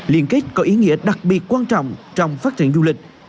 liên kết có ý nghĩa đặc biệt quan trọng trong phát triển du lịch